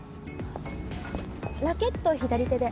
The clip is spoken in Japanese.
ラケット左手で。